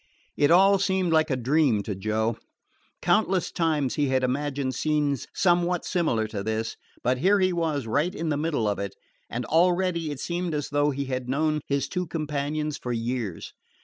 It all seemed like a dream to Joe. Countless times he had imagined scenes somewhat similar to this; but here he was right in the midst of it, and already it seemed as though he had known his two companions for years.